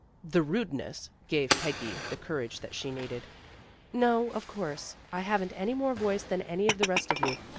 The rudness gave Peggy the courage that she needed. "No, of course. I haven't any more voice than any of the rest of you.